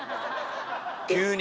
急に！